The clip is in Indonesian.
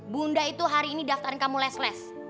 bunda itu hari ini daftar kamu les les